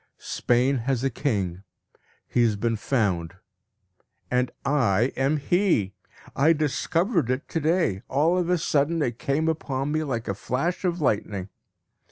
Spain has a king; he has been found, and I am he. I discovered it to day; all of a sudden it came upon me like a flash of lightning.